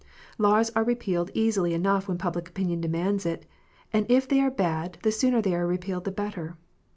Laws are repealed easily enough when public opinion demands it, and if they are bad the sooner they are repealed the better.